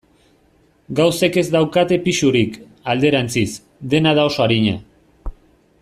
Gauzek ez daukate pisurik, alderantziz, dena da oso arina.